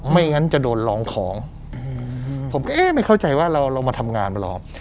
ไม่งั้นจะโดนลองของผมก็เอ๊ะไม่เข้าใจว่าเรามาทำงานมาหรอก